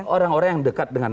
orang orang yang dekat dengan